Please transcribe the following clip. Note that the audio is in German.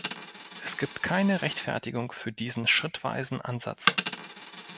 Es gibt keine Rechtfertigung für diesen schrittweisen Ansatz.